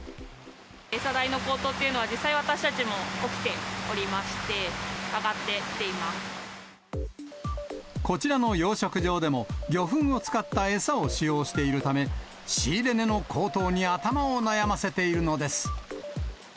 餌代の高騰というのは、実際私たちも起きておりまして、こちらの養殖場でも、魚粉を使った餌を使用しているため、仕入れ値の高騰に頭を悩ませているのです。